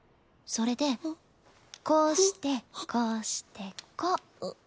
それでこうしてこうしてこう。